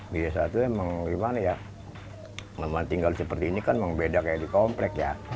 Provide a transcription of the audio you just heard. biasanya memang gimana ya memang tinggal seperti ini kan memang beda kayak di komplek ya